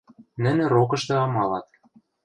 Нӹнӹ рокышты амалат.